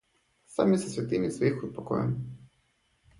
Сами со святыми своих упокоим.